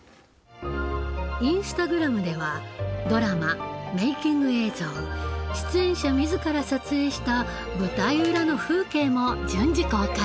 インスタグラムではドラマメイキング映像出演者自ら撮影した舞台裏の風景も順次公開。